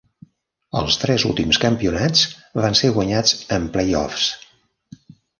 Els tres últims campionats van ser guanyats en playoffs.